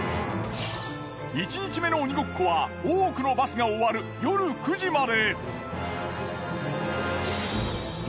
１日目の鬼ごっこは多くのバスが終わる夜９時まで。